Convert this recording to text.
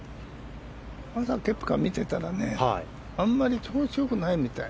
朝、ケプカを見てたらねあんまり調子良くないみたい。